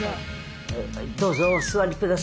「どうぞお座り下さい」。